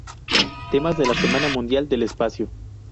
Temas de la Semana Mundial del Espacio